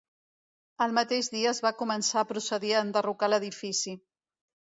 El mateix dia es va començar a procedir a enderrocar l'edifici.